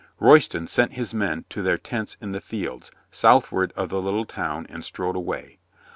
Royston sent his men to their tents in the fields southward of the little town and strode away.